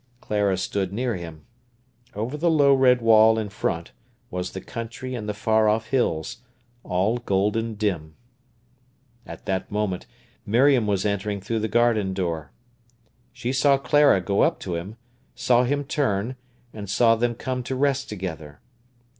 Clara stood near him. Over the low red wall in front was the country and the far off hills, all golden dim. At that moment Miriam was entering through the garden door. She saw Clara go up to him, saw him turn, and saw them come to rest together.